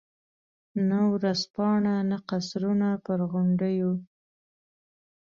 نه ورځپاڼه، نه قصرونه پر غونډیو.